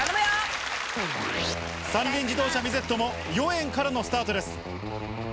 三輪自動車、ミゼットも４円からのスタートです。